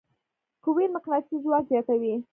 کویل مقناطیسي ځواک زیاتوي.